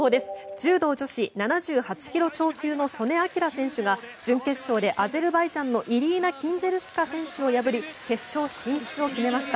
柔道女子７８ｋｇ超級の素根輝選手が準決勝でアゼルバイジャンのイリーナ・キンゼルスカ選手を破り決勝進出を決めました。